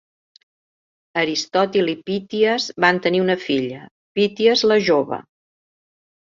Aristòtil i Píties van tenir una filla, Píties la Jove.